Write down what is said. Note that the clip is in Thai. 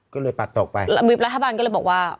ก็เลยปัดตกไปรัฐบาลก็เลยบอกว่า